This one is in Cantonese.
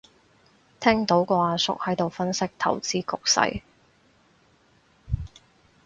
聽到個阿叔喺度分析投資局勢